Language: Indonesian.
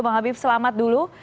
bang habib selamat dulu